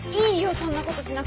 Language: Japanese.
そんなことしなくて。